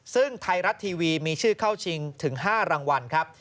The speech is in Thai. ซึ่งไทยรัฐทีวีมีชื่อเข้าชิงถึง๕รางวัลครับ